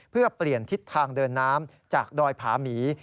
เพื่อเปลี่ยนทิศทางเดินน้ำจากดอยผาหมี